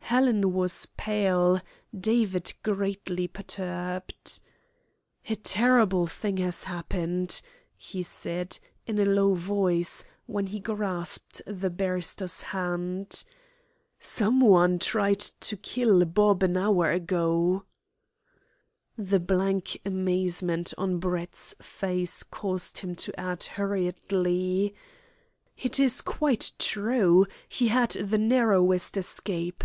Helen was pale, David greatly perturbed. "A terrible thing has happened," he said, in a low voice, when he grasped the barrister's hand. "Someone tried to kill Bob an hour ago." The blank amazement on Brett's face caused him to add hurriedly: "It is quite true. He had the narrowest escape.